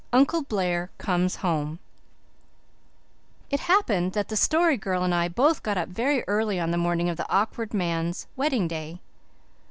UNCLE BLAIR COMES HOME It happened that the Story Girl and I both got up very early on the morning of the Awkward Man's wedding day.